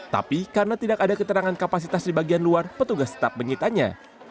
tapi karena tidak ada keterangan kapasitas di bagian luar petugas tetap menyitanya